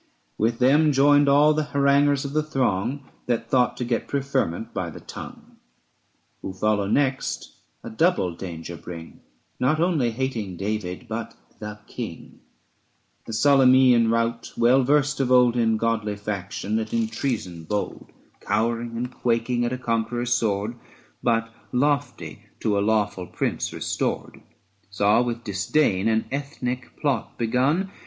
With them joined all the haranguers of the throng That thought to get preferment by the tongue. 510 Who follow next a double danger bring, Not only hating David, but the King ; The Solymaean rout, well versed of old In godly faction and in treason bold, Cowering and quaking at a conqueror's sword, 5 r 5 But lofty to a lawful prince restored, Saw with disdain an Ethnic plot begun 102 ABSALOM AND ACHITOPHEL.